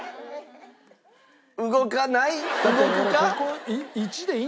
動かない。